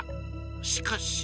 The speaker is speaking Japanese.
しかし。